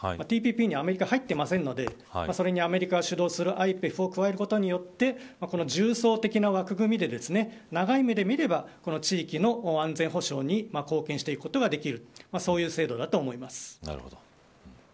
アメリカ入っていないのでそれに、アメリカが主導するＩＰＥＦを加えることで重層的な枠組みで長い目で見ればこの地域の安全保障に貢献していくことができるそういう制度だと思います。